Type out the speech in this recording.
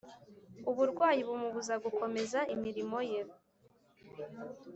Uburwayi bumubuza gukomeza imirimo ye